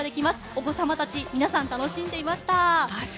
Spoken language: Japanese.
お子様たち、皆さん楽しんでいました。